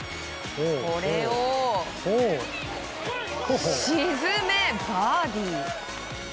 これを沈め、バーディー！